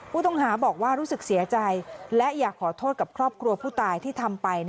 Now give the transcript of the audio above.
ผู้ต้องหาบอกว่ารู้สึกเสียใจและอยากขอโทษกับครอบครัวผู้ตายที่ทำไป